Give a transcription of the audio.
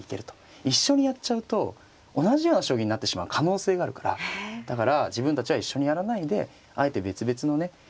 一緒にやっちゃうと同じような将棋になってしまう可能性があるからだから自分たちは一緒にやらないであえて別々のね